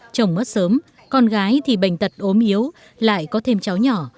chồng mất sớm con gái thì bệnh tật ốm yếu lại có thêm cháu nhỏ